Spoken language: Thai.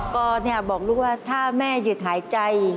ก็บอกลูกว่าถ้าแม่หยุดหายใจ